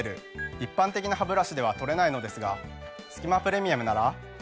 一般的なハブラシでは取れないのですが「すき間プレミアム」なら。